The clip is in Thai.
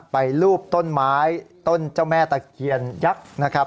รูปต้นไม้ต้นเจ้าแม่ตะเคียนยักษ์นะครับ